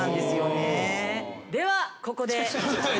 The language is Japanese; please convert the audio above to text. ではここで。